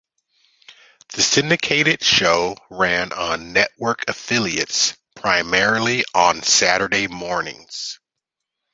The syndicated show ran on network affiliates, primarily on Saturday mornings.